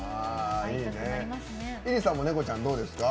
ｉｒｉさんも猫ちゃん、どうですか？